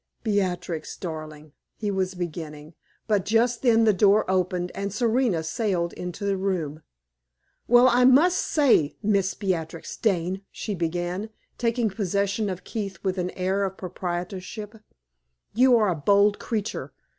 "Beatrix, darling," he was beginning; but just then the door opened and Serena sailed into the room. "Well, I must say, Miss Beatrix Dane," she began, taking possession of Keith with an air of proprietorship, "you are a bold creature!